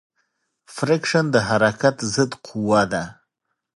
فریکشن د حرکت ضد قوې ده.